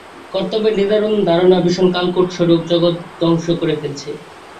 কর্তব্যের নিদারুণ ধারণা ভীষণ কালকূট-স্বরূপ, জগৎ ধ্বংস করে ফেলছে।